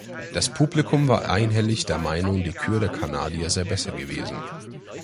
Das Publikum war einhellig der Meinung, die Kür der Kanadier sei besser gewesen.